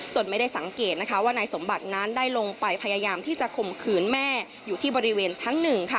ส่วนไม่ได้สังเกตนะคะว่านายสมบัตินั้นได้ลงไปพยายามที่จะข่มขืนแม่อยู่ที่บริเวณชั้น๑ค่ะ